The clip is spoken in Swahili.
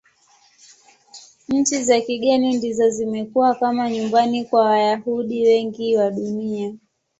Nchi za kigeni ndizo zimekuwa kama nyumbani kwa Wayahudi wengi wa Dunia.